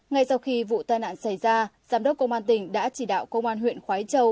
ngay sau khi vụ tai nạn xảy ra giám đốc công an tỉnh đã chỉ đạo công an huyện khói châu